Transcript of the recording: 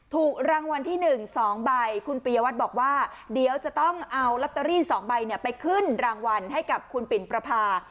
ถูกรางวัลที่๑๒ใบคุณปียวัตรบอกว่าเดี๋ยวจะต้องเอาลอตเตอรี่๒ใบไปขึ้นรางวัลให้กับคุณปิ่นประพา